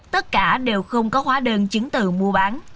tất cả đều không có hóa đơn chứng từ mua bán